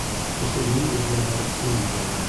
Кеше ни эҙләһә, шуны табыр.